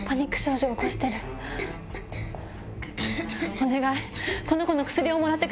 お願い！